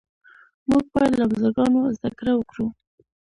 موږ باید له بزرګانو زده کړه وکړو.